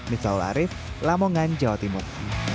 mithaul arif lamongan jawa timur